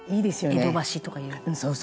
「江戸箸とかいう」